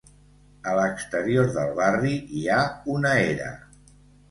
A l'exterior del barri hi ha una era.